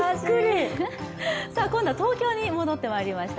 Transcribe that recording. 今度は東京に戻ってまいりました。